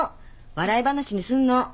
笑い話にすんの。